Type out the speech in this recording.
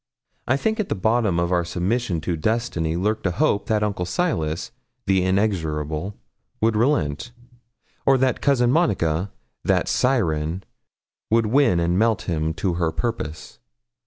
I think at the bottom of our submission to destiny lurked a hope that Uncle Silas, the inexorable, would relent, or that Cousin Monica, that siren, would win and melt him to her purpose.